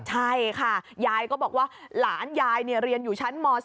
ใช่ค่ะยายก็บอกว่าหลานยายเรียนอยู่ชั้นม๔